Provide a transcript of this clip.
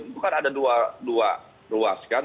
itu kan ada dua ruas kan